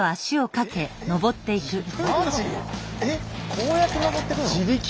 こうやって登ってくの？